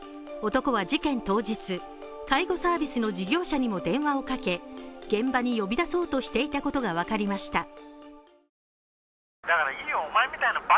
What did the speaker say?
男は事件当日、介護サービスの事業者にも電話をかけ現場に呼び出そうとしていたことが分かりました。